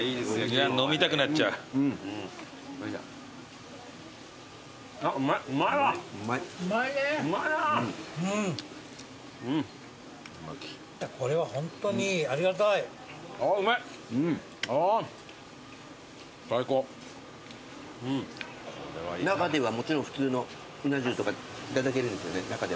中ではもちろん普通のうな重とかいただけるんですよね。